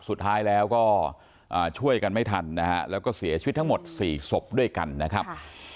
สุดท้ายแล้วก็ช่วยกันไม่ทันนะฮะแล้วก็เสียชีวิตทั้งหมด๔ศพด้วยกันนะครับ